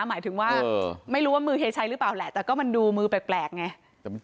หมายถึงว่าไม่รู้ว่ามือเฮชัยหรือเปล่าแหละแต่ก็มันดูมือแปลกไง